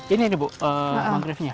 ini bu mangrovenya